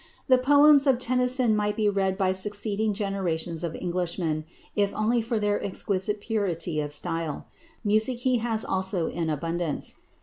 The poems of Tennyson might be read by succeeding generations of Englishmen if only for their exquisite purity of style. Music he has also in abundance.